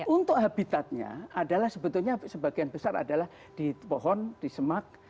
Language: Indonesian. untuk habitatnya adalah sebetulnya sebagian besar adalah di pohon di semak